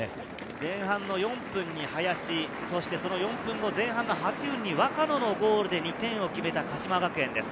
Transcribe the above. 前半４分に林、その４分後、前半８分に若野のゴールで２点を決めた鹿島学園です。